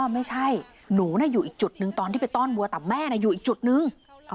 อ๋อไม่ใช่หนูน่ะอยู่อีกจุดหนึ่งตอนที่ไปต้อนบัวตามแม่น่ะอยู่อีกจุดหนึ่ง